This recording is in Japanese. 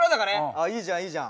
あいいじゃんいいじゃん。